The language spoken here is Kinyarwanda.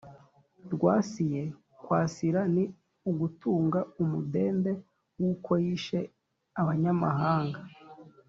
rwasiye: kwasira ni ugutunga umudende w’uko yishe abanyamahanga